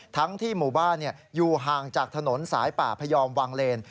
ทั้งที่หมู่บ้านอยู่ห่างจากถนนสายป่าพยอมวางเลน